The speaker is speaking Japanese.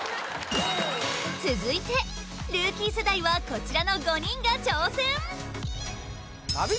続いてルーキー世代はこちらの５人が挑戦